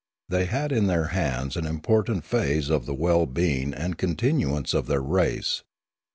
They had in their hands an important phase of the well being and con tinuance of their race.